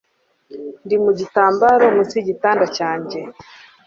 ndi mu gitambaro munsi yigitanda cyanjye